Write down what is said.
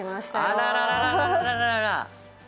あらららららら。